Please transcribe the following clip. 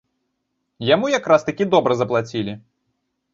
Яму якраз-такі добра заплацілі.